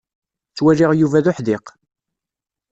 Ttwaliɣ Yuba d uḥdiq.